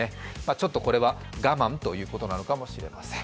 ちょっとこれは我慢ということなのかもしれません。